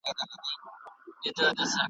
چي افغانان په خپل هیواد کي .